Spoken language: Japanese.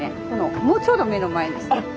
このちょうど目の前ですね。